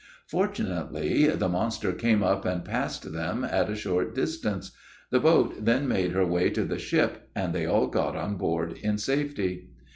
Fortunately, the monster came up and passed them at a short distance. The boat then made her way to the ship and they all got on board in safety.